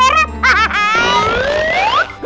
ini ada aneh aneh